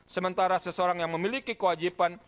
sementara seseorang yang memiliki kewajiban